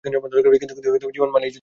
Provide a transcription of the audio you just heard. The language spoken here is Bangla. কিন্তু জীবন মানেই যুদ্ধ।